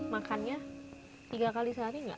makannya tiga kali sehari